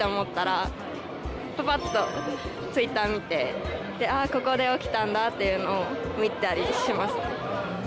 パパッとＴｗｉｔｔｅｒ見て「ああここで起きたんだ」っていうのを見たりしますね。